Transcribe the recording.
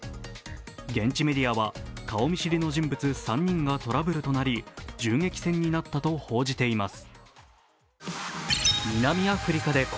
現地メディアは顔見知りの人物３人がトラブルとなり銃撃戦になったと報じています。